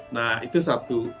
nah itu satu